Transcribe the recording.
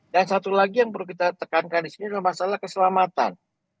dan satu lagi yang perlu kita tekankan di sini adalah masalah keselamatan